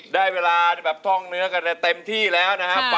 ได้เวลาเนี่ยแบบท่องเนื้อกันอย่างเต็มที่แล้วนะครับ